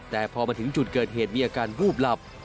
แต่พอมาถึงจุดเกิดเหตุมีอาการวูบหลับ